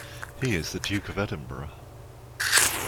He is the Duke of Edinburgh.